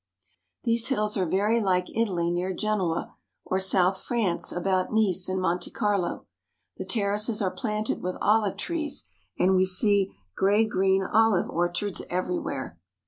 These hills are very like Italy near Genoa, or south France about Nice and Monte Carlo. The terraces are planted with olive trees and we see gray green olive orchards everywhere.